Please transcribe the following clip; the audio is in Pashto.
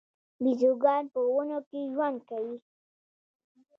بیزوګان په ونو کې ژوند کوي